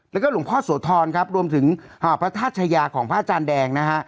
แล้วก็หลวงพ่อโสธรครับรวมถึงพระธาตุชายาของพระอาจารย์แดงนะฮะ